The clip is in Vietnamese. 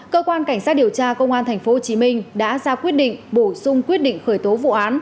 cơ quan cảnh sát điều tra công an tp hcm đã ra quyết định bổ sung quyết định khởi tố vụ án